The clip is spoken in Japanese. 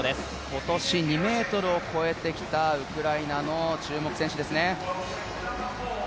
今年２ｍを越えてきたウクライナの注目選手ですね。